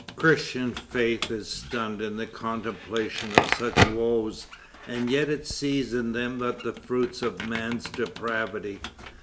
Christian faith is stunned in the contemplation of such woes, and yet it sees in them but the fruits of man's depravity.